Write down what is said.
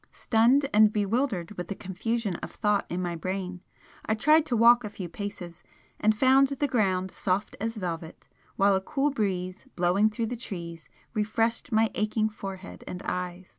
Stunned and bewildered with the confusion of thought in my brain, I tried to walk a few paces, and found the ground soft as velvet, while a cool breeze blowing through the trees refreshed my aching forehead and eyes.